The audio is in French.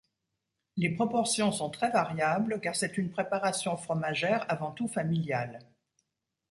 Les proportions sont très variables, car c'est une préparation fromagère avant tout familiale.